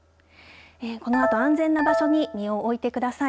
このあと安全な場所に身を置いてください。